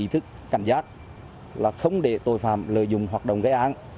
thứ nhất là không để tội phạm lợi dụng hoạt động gây án